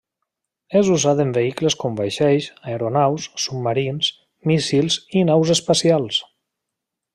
És usat en vehicles com vaixells, aeronaus, submarins, míssils, i naus espacials.